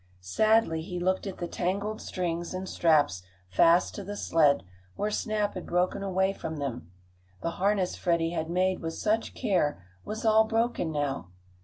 Sadly he looked at the tangled strings and straps fast to the sled, where Snap had broken away from them. The harness Freddie had made with such care was all broken now.